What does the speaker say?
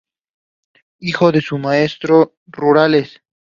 Hijo de maestros rurales.